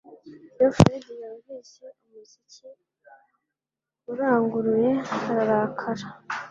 Iyo Fred yumvise umuziki uranguruye, ararakara